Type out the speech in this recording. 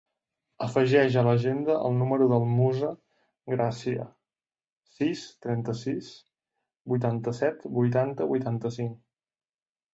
Afegeix a l'agenda el número del Musa Gracia: sis, trenta-sis, vuitanta-set, vuitanta, vuitanta-cinc.